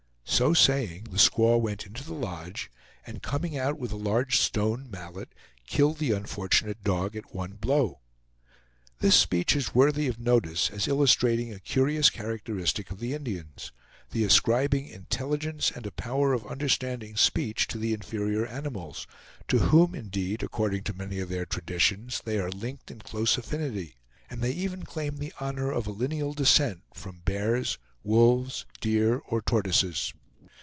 So saying, the squaw went into the lodge, and coming out with a large stone mallet, killed the unfortunate dog at one blow. This speech is worthy of notice as illustrating a curious characteristic of the Indians: the ascribing intelligence and a power of understanding speech to the inferior animals, to whom, indeed, according to many of their traditions, they are linked in close affinity, and they even claim the honor of a lineal descent from bears, wolves, deer, or tortoises.